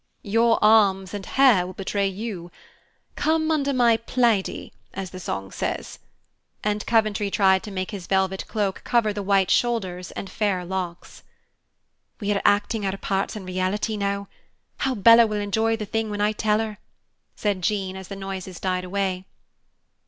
"Your arms and hair will betray you. 'Come under my plaiddie,' as the song says." And Coventry tried to make his velvet cloak cover the white shoulders and fair locks. "We are acting our parts in reality now. How Bella will enjoy the thing when I tell her!" said Jean as the noises died away.